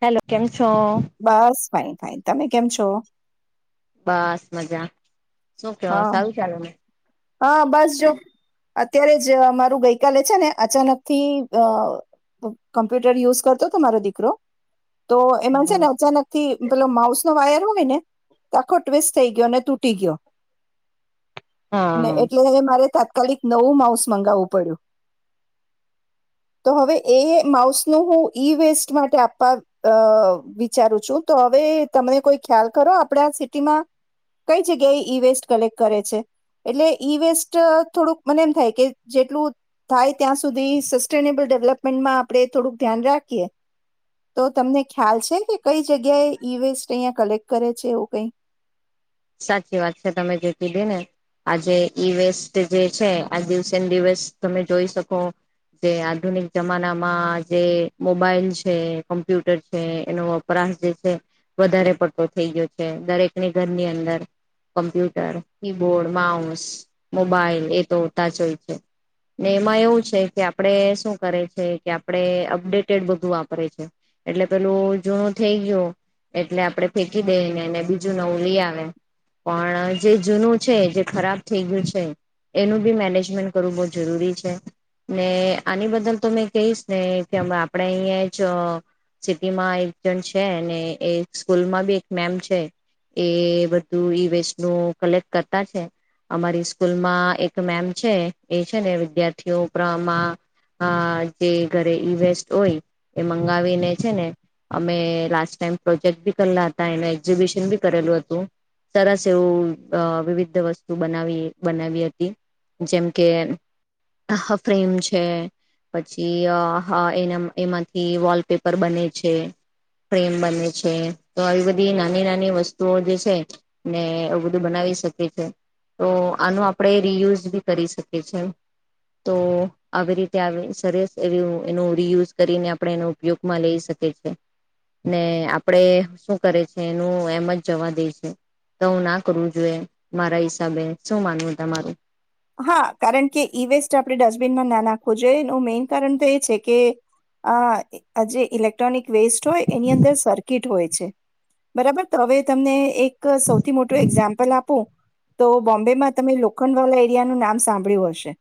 Hello કેન. બસ fine. Fine તમે કેમ છો? બસ મજા. શું કેવ હા સારું ચાલેને? હા બસ જો અત્યારે જ મારું ગઈકાલે છે ને અચાનક થી અ કમ્પ્યુટર યુઝ કરતો હતો મારો દીકરો તો એમાં છે ને અચાનક થી પેલુ માઉસ તો વાયર હોય ને તે આખો ટ્વિસ્ટ થઈ ગયો અને તૂટી ગયો. ને હા એટલે મારે તાત્કા કલિક નવું માઉસ મંગાવવું પડ્યું તો હવે એ માઉસ નું હું ઈ વેસ્ટ માટે આપવા અ વિચારું છું તો હવે તને કોઈ ખ્યાલ કરો આપડા સિટીમાં કઈ જગ્યાએ ઈ વેસ્ટ કલેક્ટ કરે છે? એટલે ઈ વેસ્ટ અ થોડુંક મને એમ થાય કે જેટલું થાય ત્યાં સુધી સસ્ટેનેબલ ડેવલપમેન્ટમાં આપણે થોડુંક ધ્યાન રાખીએ તો તમને ખ્યાલ છે કે કઈ જગ્યાએ ઈ વેસ્ટ અહીંયા કલેક્ટ કરે છે એવું કઈ? સાચી વાત છે તમે જે કીધી ને. આજે ઈ વેસ્ટ જે છે આ [unintelligible] દિવસ તમે જોઈ શકો જે આધુનિક જમાનામાં જે મોબાઈલ છે, કોમ્પ્યુટર છે એનો વપરાશ જે છે વધારે પડતો થઈ ગયો છે દરેકની ઘરની અં [unintelligible] કોમ્પ્યુટર, કીબોર્ડ, માઉસ, મોબાઈલ એ તો હોતા જ હોય છે ને એમાં એવું છે કે આપડે શું કરે છે કે આપણે અપડેટેડ બધું વાપરે છે એટલે પેલું જૂનું થઈ ગયું એટલે આપડે ફેંકી દઈને એને બીજું નવું લઈ આવે. પણ જે જૂનું છે જે ખરાબ થઈ ગયું છે એનું બી મેનેજમેન્ટ કરવું બહ જરૂરી છે ને આની બદલ તો મેં કહીશ ને કે આપણે અહીયાં જ સિટીમાં એક જણ છે ને એ સ્કૂલમાં બી એક મેમ છે એ તું ઈ વેસ્ટ નું કલેક્ટ કરતા છે અમારી સ્કૂલમાં એક મેમ છે એ છે ને વિદ્યાર્થીઓ ઉપરામાં જે ઘરે ઈ વેસ્ટ હોય એ મંગાવીને છે ને અમે લાસ્ટ ટાઈમ પ્રોજેક્ટ બી કરેલા હતા એને એક્ઝિબિશન બી કરેલું હતું. સરસ એવું વિવિધ વસ્તુ બનાવી બનાવી હતી જેમ કે ફ્રેમ છે પછી એના એમાંથી વોલપેપર બને છે ફ્રેમ બને છે તો આવી બધી નાની નાની વસ્તુઓ જે છે. ને એવું બધું બનાવી શકીએ છે તો આનો આપણે રિયુઝ બી કરી શકીએ છે તો આવી રીતે આવી સરસ એવું એનું રિયુઝ કરીને આપણે એનો ઉપયોગમાં લઈ શકીએ છે ને આપણે શું કરે છે એનું એમ જ જવા દઈ છે. તો હું ના કરવું જોઈએ મારા હિસાબે શું માનવું તમારું? હા કારણ કે ઈ વેસ્ટ આપણે ડસ્ટબિનમાં ના નાખવો જોઈએ એનું મેઈન કારણ તો એ છે કે અ જે ઇલેક્ટ ક્ટ્રોનિક વેસ્ટ હોય એની અંદર સર્કિટ હોય છે, બરાબર હવે તમને એક એક સૌથી મોટું એક્ઝામ્પલ આપો. તો બોમ્બે માં તમે લોખંડ વાલા [unintelligible] નું નામ સાંભળ્યું હશે.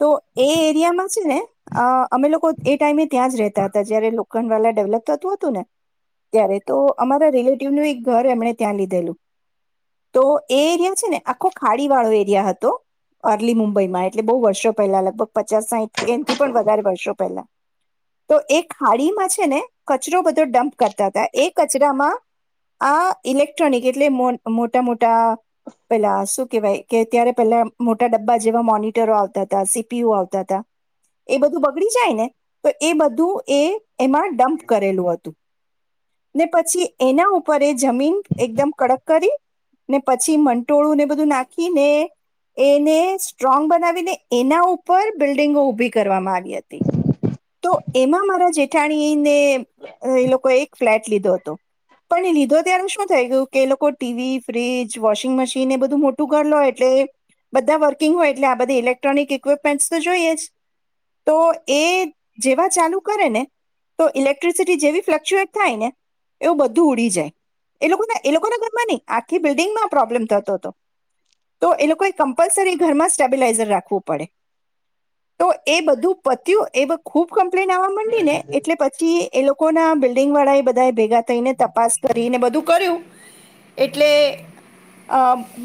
તો એ એરિયામાં છે ને અ અમે લોકો એ ટાઈમે ત્યાં જ રહેતા હતા જય્યારે લો [unintelligible] ડેવલપ થતું હતું ને ત્યારે તો અમારા રિલેટિવનું એક ઘર એમણે ત્યાં લીધેલું તો એ એરિયા છે ને આખો ખાડી વાળો એરિયા હ તો અર્લી મુંબઈ માં એટલે બહુ વર્ષો પહેલા લગભગ પચાસ સાહીઠ એન થી પણ વધારે વર્ષો પેલા. તો એ ખાડીમાં છે ને કચરો બધો ડમ્પ કરતા હતા એ કચરામાં આ ઇલેક્ટ્રોનિક એટલે મોટા મોટા પેલા શું કેહેવાય કે ત્યારે પેલા મોટા ડબ્બા જેવા મોનિટરો આવતા હતા સીપીયુ આવતા હતા એ બધું બગડી જાય ને તો એ બધું એ એમાં ડમ્પ કરેલું હતું. ને પછી એના ઉપર જમીન એકદમ કડક કરી ને પછી મંટોળું ને બધું નાખીને એને સ્ટ્રોંગ બનાવીને એના ઉપર બિલ્ડિંગો ઊભી કરવામાં આવી હતી. તો એમાં મારા જેઠાણીને. એ લોકો એક ફ્લેટ લીધો હતો પણ એ લીધો ત્યારે શું થઈ ગયું કે એ લોકો ટીવી, ફ્રીજ, વોશિંગ મશીન એ બધું મોટું ઘર લો એટલે બધા વર્કિંગ હોય એટલે આ બધે ઇલેક્ટ્રોનિક ઈક્વિપમેન્ટ્સ તો જોઈએ જ તો એ. જેવા ચાલુ કરે ને તો ઇલેક્ટ્રિસિટી જેવી ફ્લકચુએટ થાય ને એવું બધું ઉડી જાય એ લોકો એ લોકોના ઘરમાં નહી આખી બિલ્ડિંગમાં પ્રોબ્લેમ થતો હતો તો એ લોકો કમ્પલસરી ઘરમાં સ્ટેબિલાઇઝર રાખ પડે તો એ બધું પત્યું એ ખૂબ કમ આપવા માંડી ને એટલે પછી એ લોકો લોકો ના બિલ્ડીંગ વાળા એ બધા ભેગા થઈને તપાસ કરીને બધું કર્યું એટલે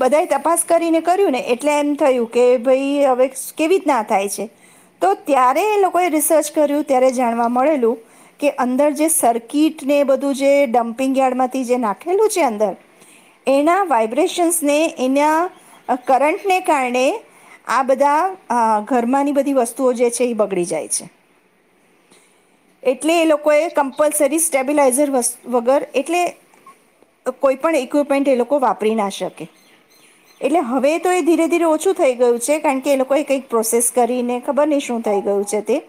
બધા તપાસ કરીને કર્યું ને એટલે એમ થયું કે ભઈ હવે કેવી રીતના થાય છે, તો ત્યારે એ લોકોએ. રિસર્ચ કર્યું ત્યારે જાણવા મળેલું કે અંદર જે સર્કિટને બધું જે ડમ્પિંગ યાર્ડમાંથી જે નાખેલું છે અંદર એના વાઈબ્રેશન્સને એના કરટને કારણે આ બધા ઘરમાંની બધી વસ્તુઓ જે છે એ બગડી જાય છે. એ એટલે એ લોકોએ કમ્પલસરી સ્ટેબિલાઇઝર વ વગર એટલે કોઈ પણ ઇક્વિપમેન્ટ એ લોકો વાપરી ના શકે, એટલે હવે તો એ ધીરે-ધીરે ઓછું થઈ ગયું છે કારણ કે એ લોકોએ કંઈક પ્રોસેસ કરીને ખબર નહીં શું થઈ ગયું છે તે.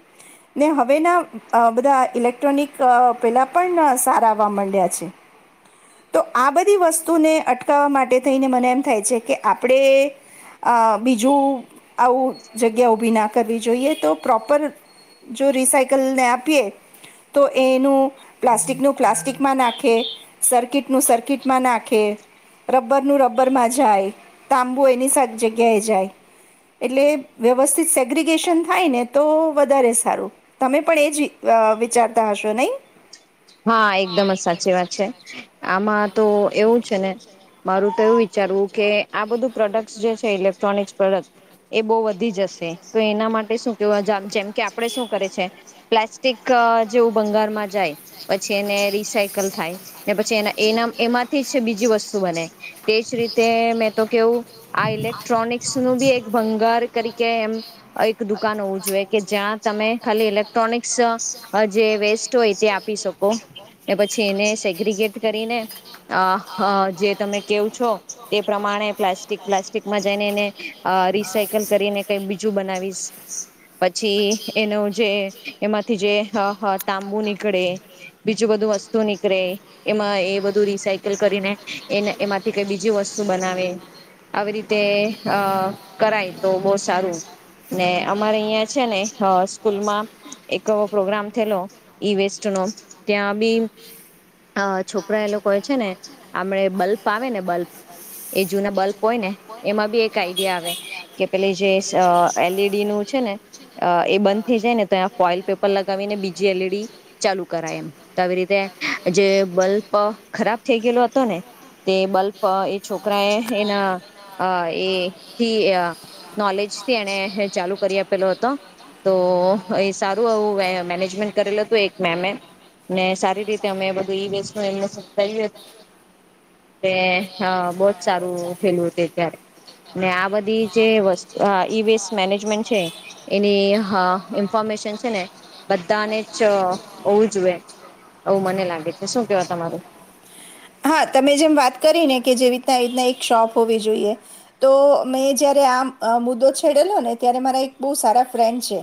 ને હવે ના બધા ઇલેક્ટ્રોનિક. પેલા પણ સારા. માંડ્યા છે તો આ બધી વસ્તુને અટકાવવા માટે થઈને મને એમ થાય છે કે આપણે અ બીજું આવું જગ્યા ઊભી ના કરવી જોઈએ તો પ્રોપર. જો રિસાયકલને આપીએ તો એનું પ્લાસ્ટિકનું પ્લાસ્ટિકમાં નાખે, સર્કિટનું સર્કિટમાં નાખે, રબરનું રબરમાં જાય, તાંબુ એની સા જગ્યાએ જાય એટલે વ્યવસ્થિત સેગ્રીિગેશન થાય ને તો. વધારે સારું તમે પણ એ જ વિચારતા હશો નહી. હા એકદમ જ સાચી વાત છે આમાં તો. એવું છે ને મારું. તો એવું વિચારવું કે આ બધું. પ્રોડક્ટ્ જે છે ઇલેક્ટ્રોનિક્સ પ્રોડક્ટ એ બહુ વધી જશે તો એના માટે શું કે જેમ કે આપડે શું કરે છે પ્લાસ્ટિક જેવું ભંગારમાં જાય. પછી એને રિસાયકલ થાય ને પછી એના એના એમાંથી જ બીજી વસ્તુ બનેય. તેજ રીતે મેં તો કેવું આ ઇલેક્ટ્રોનિક્સ નું બી એક ભંગાર તરીકે એમ એક દુકાન હોવું જોઈએ કે જ્યાં, તમે ખાલી ઇલેક્ટ્રોનિક્સ જે વેસ્ટ હોય તે આપી શકો. પછી એને સેગગેટ કરીને જે તમે છો તે પ્રમાણે પ્લાસ્ટિક પ્લાસ્ટિકમાં જઈને એને અ રીસાયકલ કરીને કઈ બીજું બનાવીશ પછી એનું જે એમાંથી જે હ હ તાંબુ નીકળે. બીજું બધું વસ્તુ નીકળે એમાં એ બધું રિસકલ કરીને એને એમાંથી. કે બીજું વસ્તુ બનાવે. આવી રીતે અ કરાય તો બહુ સારું ને અમારે અહિયાં. છે ને સ્કૂલમાં એક એવો પ્રોગ્રામ થયેલો ઈ વેસ્ટ નો. ત્યાં બી છોકરા એ લોકો હોય છે ને આપમડ બલ્બ આવે ને બલ્બ એ જૂના બલ્બ હોય ને એમાં બી એક આઈડિયા આવે, કે પેલે જે એલઈડી નું છે ને એ બંધ થઈ જાય ને તોં ફોઇલ પેપર લગાવી ને બીજી એલઈડી ચાલુ કરાય એમ તો આવી રીતે જે બલ્બ ખરાબ થઈ ગયેલો હતો ને તે બલ્બ એ છોકરા એ એના અ એથી નોલેજથી એને ચાલુ કરી આપેલો હતો, તો એ સારું એવું મેનેજમેન્ટ કરેલ હતું એક મેમે. ને સારી રીતે અમે બધું ઈ વેસ્ટ નું એમને સમજાવ્યું [inaudible] હતું બહુજ સારું થયેલું હતું અત્યારે ને આ બધી જે વસ્તુ ઈ વેસ્ટ મેનેજમેન્ટ છે એની ઇન્ફોર્મેશન છે ને બધાને જ. હોવું જોએ આવવું મને લાગે છે શું કેવા તમારું? હા તમે જેમ વાત કરીને કે જે રીતના આ રીતના એક શોપ હોવી જોઈએ તો મેં જયારે આ મુદ્દો છેડેલો ને ત્યારે મારા એક બહુ સારા ફ્રેન્ડ છે,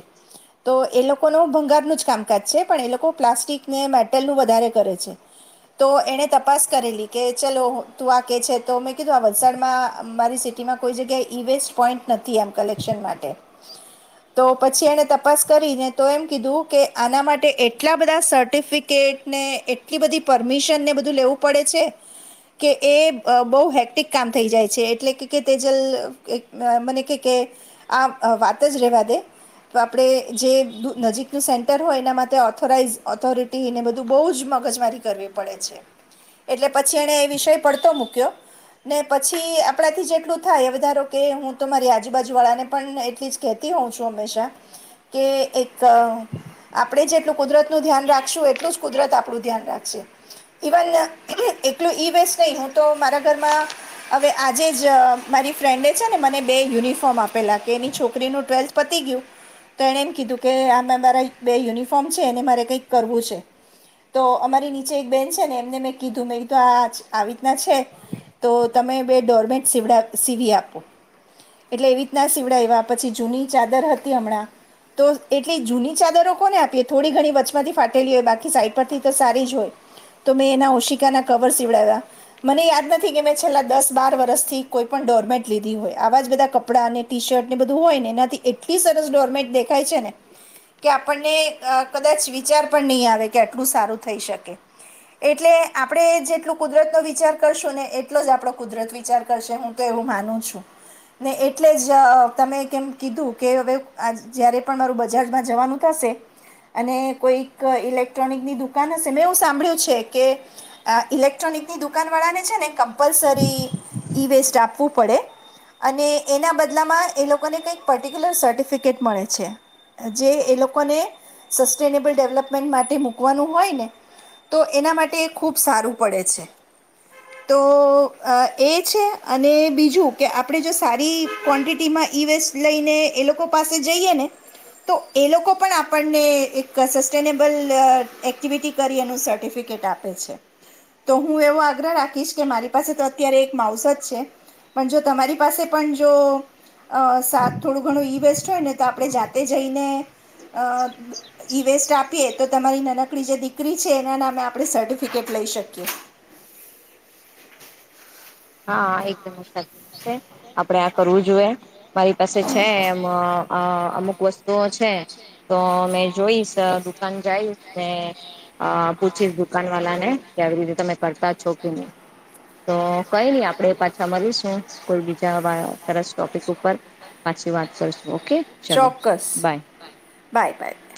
તો એ લોકોનો ભંગારનું જ કામકાજ છે પણ એ લોકો પ્લાસ્ટિકને મેટલનું વધારે કરે છે, તો એને ત તપાસ કરેલી કે ચલો તું આ કેહે છે તો મેં કીધું આ વલસાડમાં મારી સિટીમાં કોઈ જગ્યાએ ઇ વેસ્ટ પોઈન્ટ નથી એમ કલેક્શન માટે. તો પછી એને તપાસ કરીને તો એમ કીધું કે આના માટે એટલા બધા સર્ટિફિકેટને એટલી બધી પરમિશન ને બધું લેવુ પડે છે કે એ બહુ હેક્ટિક કામ થઈ જાય છે, એટલે કે તેજલ મને કે આ વાત જ રેવા દે તો આપણે જે નજીકનું સેન્ટર હોય એના માટે ઓથોરાઈઝ ઓથોરિટી એને બધું બહુ જ મગજમારી કરવી પડે છે. એટલે પછી એને એ વિષય પડતો મૂક્યો ને પછી આપણાથી જેટલું થાય વધારો કે હું તો મારી આજુબાજુ વાળાને પણ એટલી જ કહેતી હોઉં છું હંમેશા કે એક આપણે જેટલું કુદરત નું ધ્યાન રાખશું એટલું જ કુદરત આપણું ધ્યાન રાખશે. ઇવન એટલું ઈ નહી હું તો મારા રમાં હવે આજે જ મારી ફ્રેન્ડે છે ને મને બે યુનિફોર્મ આપેલા કે એની છોકરીનું ટ્વેલ્થ પતી ગયું તો એણે એમ કીધું કે આ મારા બે યુનિફોર્મ છે, એને મારે કંઈક કરવું છે તો અમારી નીચે એક બેન. ને એમને મેં કીધું મે તો આ આવી રીતના છે, તો તમે બે ડોરમેટ સીડા સીવી આપો એટલે એવી રીતના સીવડાવ્યા પછી જૂની ચાદર હતી હમણાં તો એટલી જૂની ચાદરો કોને આપીએ થોડી ઘણી વચમાંથી ફાટેલી હોય બાકી સાઈડ પરથી તો સારી જ હોય. તો મેં એના ઓશિકાના કવર સીવડાવ્યા મને યાદ નથી કે મેં છેલ્લા દસ બાર વરષથી કોઈ પણણ ડોરમેટ લીધી હોય, આવા જ બધા કપડાં ને ટી શર્ટને બધું હોય ને એનાથી એટલી સરસ ડોરમેટ દેખાય છે ને કે આપણને કદાચ વિચાર પણ નહીં આવે કે આટલું સારું થઈ શકે. એટલે આપણે જેટલું કુદરતનો વિચાર કરશું ને એટલો જ આપણો કુદરત વિચાર કરશે હું તો એવું માનું છું, ને એટલે જ તમે કેમ કીધું કે હવે આ જ્યારે પણ મારું બજારમાં જવાનું થશે અને કોઈક ઇલેક્ટ્રોનિકની દુકાન હશે મેં એવું સાંભળ્યું છે. કે ઇલેક્ટ્રોનિકની દુકાનવાળાને છે ને કમ્પલસરી ઈ વેસ્ટ આપવું પડે અને એના બદલામાં એ લોકોને કંઈક પર્ટિક્યુલર સર્ટિફિકેટ મળે છે, જે એ લોકોને સસ્ટેનેબલ ડેવલપમેન્ટ માટે મૂકવાનું હોય ને તો એના મા ટે ખૂબ સારું પડે છે તો એ છે, અને બીજું કે આપણે જો સારી ક્વોન્ટિટીમાં ઈ વેસ્ટ લઈને એ લોકો પાસે જઈએ ને તો એ લોકો પણ આપણને એક સસ્ટેનેબલ એક્ટિવિટી કરી એનું સર્ટિફિકેટ આપે. આપે છે, તો હું એવો આગ્રહ રાખીશ કે મારી પાસે તો અત્યારે એક માવસ જ છે પણ જો તમારી પાસે પણ જો શાક થોડું ઘણું ઇ વસ્ટ હોય ને તો આપણે જાતે જઈને. અ ઈ વેસ્ટ આપીએ તો તમારી નનકડી જે દીકરી છે એના નામે આપણે સર્ટફ ટિકિટ લઈ શકીએ. હા એકદમ જ સાચી વાત છે આપડે કરવું જોઈએ મારી પાસે છે એમ અ અમુક વસ્તુ. તો છે તો ને જોઈશ અહ દુકાન જાઈશ ને અહ પૂછીશ દુકાન વાલા ને કે આવી રીત તમે કરતા છો કે નહી, તો કંઈ નઈ આપણેે પાછા મલીશું. કોઈ બીજા વા સરસ ટોપિક ઉપર પાછી વાત કરશું. ઓકે ચલો ચોક્કસ, બાય બાય-બાય.